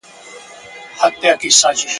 چي حتی د یوې کلمې ..